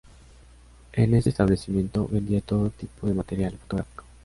En este establecimiento vendía todo tipo de material fotográfico.